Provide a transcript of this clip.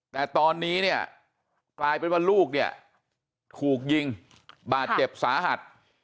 แต่ตอนนี้เนี่ยกลายเป็นว่าลูกเนี่ยถูกยิงบาดเจ็บสาหัส